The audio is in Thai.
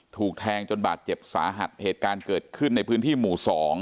ถูกแทงจนบาดเจ็บสาหัสเหตุการณ์เกิดขึ้นในพื้นที่หมู่๒